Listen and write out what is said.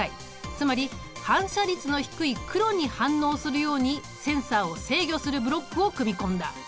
つまり反射率の低い黒に反応するようにセンサーを制御するブロックを組み込んだ。